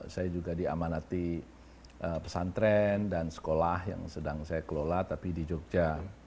saya juga diamanati pesantren dan sekolah yang sedang saya kelola tapi di jogja